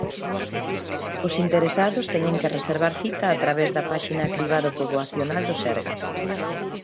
Os interesados teñen que reservar cita a través da páxina cribado poboacional do Sergas.